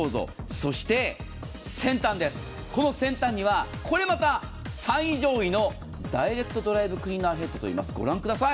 そして、先端です、この先端にはこれまた最上位のダイレクトドライブクリーナーヘッドといいます、御覧ください。